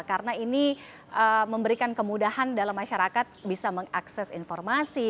karena ini memberikan kemudahan dalam masyarakat bisa mengakses informasi